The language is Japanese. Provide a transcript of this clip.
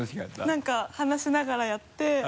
何か話しながらやって。